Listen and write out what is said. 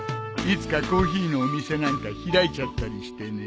いつかコーヒーのお店なんか開いちゃったりしてね。